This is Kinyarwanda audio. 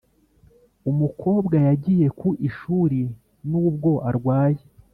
umukobwa yagiye ku ishuri nubwo arwaye.